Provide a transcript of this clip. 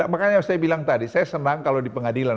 makanya saya bilang tadi saya senang kalau di pengadilan